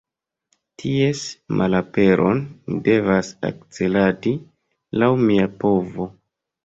Ties malaperon mi devas akceladi laŭ mia povo.